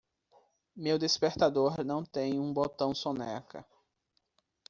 Meu despertador não tem um botão soneca.